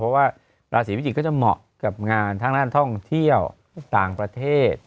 เพราะว่าราศีพิจิกก็จะเหมาะกับงานทางด้านท่องเที่ยวต่างประเทศ